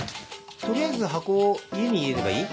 取りあえず箱を家に入れればいい？